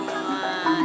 oleh penyelenggara tadan